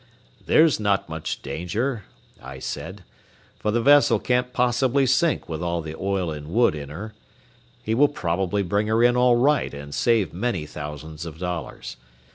"There's not much danger," I said; "for the vessel can't possibly sink with all the oil and wood in her. He will probably bring her in all right and save many thousands of dollars.